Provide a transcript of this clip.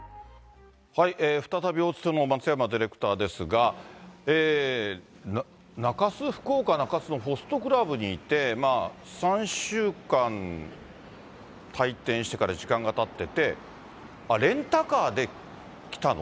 再び大津署の松山ディレクターですが、福岡・中洲のホストクラブにいて、３週間、退店してから時間がたってて、レンタカーで来たの？